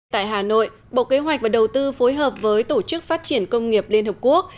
tại hà nội bộ kế hoạch và đầu tư phối hợp với tổ chức phát triển công nghiệp liên hợp quốc